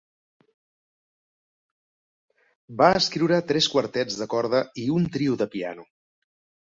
Va escriure tres quartets de corda i un trio de piano.